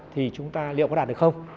thì chúng ta liệu có đạt được không